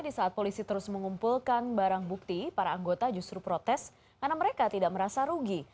di saat polisi terus mengumpulkan barang bukti para anggota justru protes karena mereka tidak merasa rugi